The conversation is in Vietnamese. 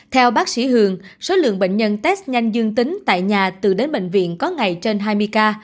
theo bác sĩ hường số lượng bệnh nhân test nhanh dương tính tại nhà từ đến bệnh viện có ngày trên hai mươi ca